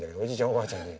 おばあちゃんに。